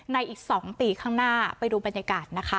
อีก๒ปีข้างหน้าไปดูบรรยากาศนะคะ